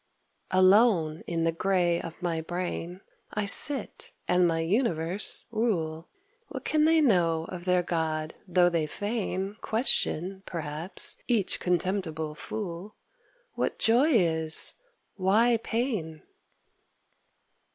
Alone in the grey of my brain I sit and my universe rule. What can they know of their god, though they fain Question, perhaps, each contemptible fool, What joy is, why pain?